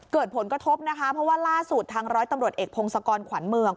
เกิดผลกระทบนะคะเพราะว่าล่าสุดทางร้อยตำรวจเอกพงศกรขวัญเมือง